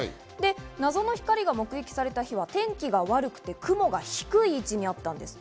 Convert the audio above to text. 謎の光が目撃された日は天気が悪くて雲が低い位置にあったんです。